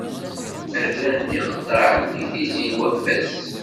Ɛerran-t iqeṭṭaɛen deg Tizi-Waffas.